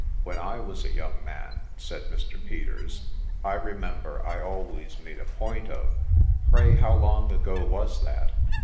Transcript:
4 When I was a young man,' said Mr. Peters, * I remember I always made a point of '' Pray how long ago was that